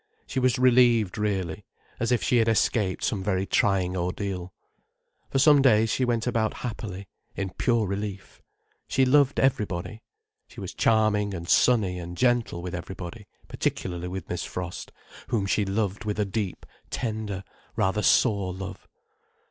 She was relieved, really: as if she had escaped some very trying ordeal. For some days she went about happily, in pure relief. She loved everybody. She was charming and sunny and gentle with everybody, particularly with Miss Frost, whom she loved with a deep, tender, rather sore love.